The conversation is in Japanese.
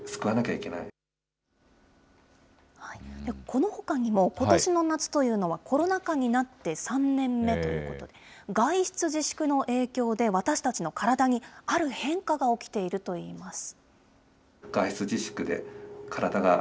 このほかにも、ことしの夏というのは、コロナ禍になって３年目ということで、外出自粛の影響で私たちの体にある変化が起きているといいます。